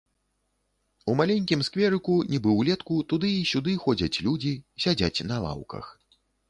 У маленькім скверыку, нібы ўлетку, туды і сюды ходзяць людзі, сядзяць на лаўках.